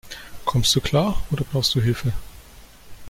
Kommst du klar, oder brauchst du Hilfe?